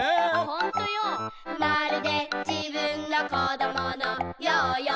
「ほんとよ、まるで自分の小どものようよ」